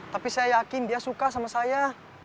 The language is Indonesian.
tapi saya yakin dia suka sama saya